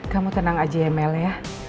kamu tenang aja ya mel ya